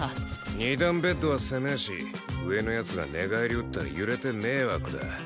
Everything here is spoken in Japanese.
２段ベッドは狭えし上の奴が寝返り打ったら揺れて迷惑だ。